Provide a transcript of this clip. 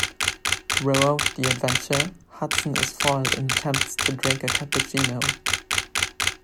Throughout the adventure, Hudson is foiled in attempts to drink a cappuccino.